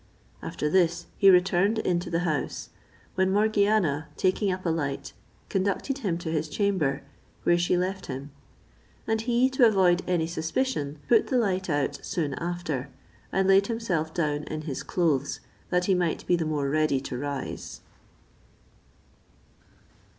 After this he returned into the house, when Morgiana taking up a light, conducted him to his chamber, where she left him; and he, to avoid any suspicion, put the light out soon after, and laid himself down in his clothes, that he might be the more ready to rise.